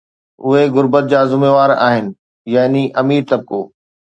اهي غربت جا ذميوار آهن، يعني امير طبقو